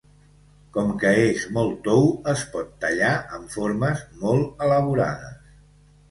Com que és molt tou es pot tallar amb formes molt elaborades.